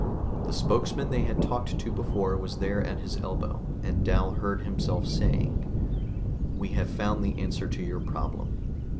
The spokesman they had talked to before was there at his elbow, and Dal heard himself saying, "We have found the answer to your problem.